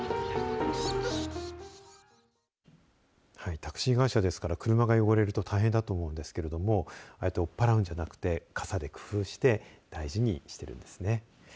タクシー会社ですから車が汚れると大変だと思うんですけども追い払うんじゃなくて傘で工夫して大事にしてるんですね。